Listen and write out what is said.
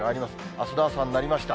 あすの朝になりました。